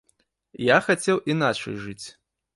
Я хацеў іначай жыць.